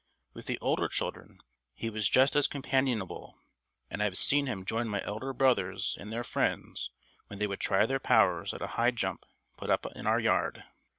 With the older children, he was just as companionable, and I have seen him join my elder brothers and their friends when they would try their powers at a high jump put up in our yard.